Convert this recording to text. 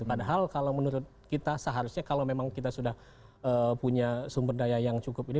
padahal kalau menurut kita seharusnya kalau memang kita sudah punya sumber daya yang cukup ini